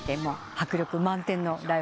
迫力満点のライブでした。